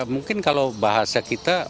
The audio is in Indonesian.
mungkin kalau bahasa kita